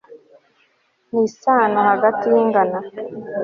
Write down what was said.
ni isano hagati yingana